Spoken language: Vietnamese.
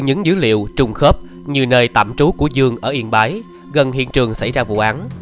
những dữ liệu trùng khớp như nơi tạm trú của dương ở yên bái gần hiện trường xảy ra vụ án